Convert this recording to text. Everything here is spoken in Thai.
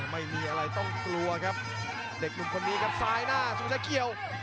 ไม่มีอะไรต้องกลัวครับเด็กหนุ่มคนนี้ครับซ้ายหน้าสูงจะเขียว